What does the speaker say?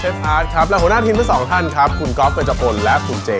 เอาให้หนักนะ